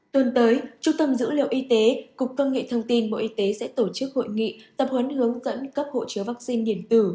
tuần tới trung tâm dữ liệu y tế cục công nghệ thông tin bộ y tế sẽ tổ chức hội nghị tập huấn hướng dẫn cấp hộ chiếu vaccine điện tử